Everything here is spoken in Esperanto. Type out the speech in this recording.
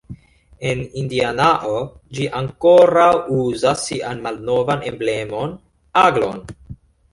En Indianao ĝi ankoraŭ uzas sian malnovan emblemon, aglon.